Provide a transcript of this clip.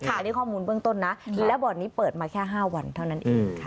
อันนี้ข้อมูลเบื้องต้นนะและบ่อนนี้เปิดมาแค่๕วันเท่านั้นเองค่ะ